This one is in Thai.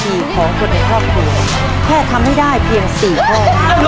ความดีของคนในครอบครัวแค่ทำให้ได้เพียง๔ครอบครัว